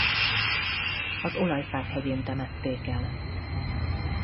Az Olajfák hegyén temették el.